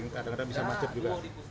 kadang kadang bisa macet juga